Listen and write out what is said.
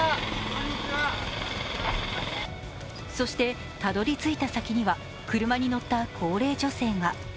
そして、たどり着いた先には車に乗った高齢女性が。